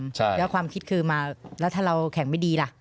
แล้วความคิดคือมาแล้วถ้าเราแข่งไม่ดีล่ะ